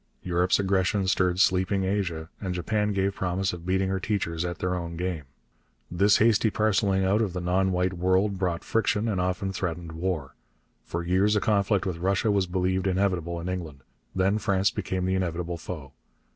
Europe's aggression stirred sleeping Asia, and Japan gave promise of beating her teachers at their own game. This hasty parcelling out of the non white world brought friction and often threatened war. For years a conflict with Russia was believed inevitable in England. Then France became the inevitable foe.